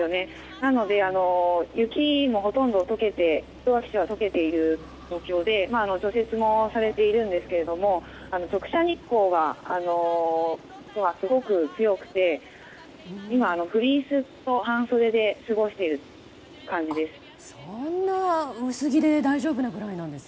なので雪もほとんど解けている状況で除雪もされているんですけども直射日光がすごく強くて今、フリースと半袖で過ごしている感じです。